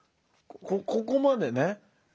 ここまでね。